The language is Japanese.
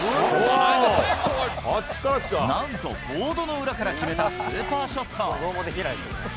なんとボードの裏から決めたスーパーショット。